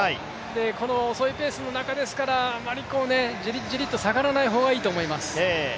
この遅いペースの中ですからあまりじりっじりっと下がらない方がいいと思います。